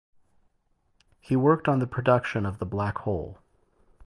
There he worked on the production of "The Black Hole".